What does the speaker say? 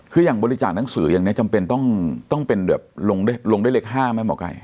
คืออย่างบริจาคหนังสืออย่างนี้จำเป็นต้องเป็นแบบลงด้วยเลข๕ไหมหมอไก่